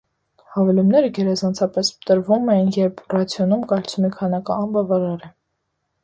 Հավելումները գերազանցապես տրվում են, երբ ռացիոնում կալցիումի քանակը անբավարար է։